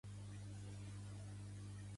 Si estimes els animals no te'ls mengis